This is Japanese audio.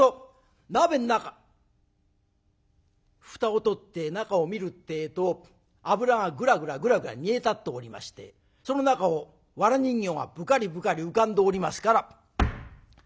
蓋を取って中を見るってえと油がグラグラグラグラ煮え立っておりましてその中を藁人形がぷかりぷかり浮かんでおりますから。